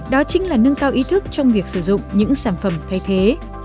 đó chính là nâng cao ý thức trong việc sử dụng những sản phẩm thay thế